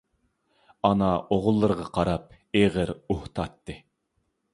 ئانا ئوغۇللىرىغا قاراپ ئېغىر ئۇھ تارتتى.